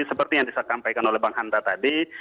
seperti yang disampaikan oleh bang hanta tadi